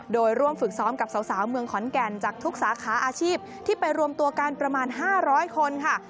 โดยร่วมฝึกซ้อมกับสาวเมืองขอนแก่นจากทุกสาขาอาชีพที่ไปรวมตัวกันประมาณ๕๐๐คนค่ะ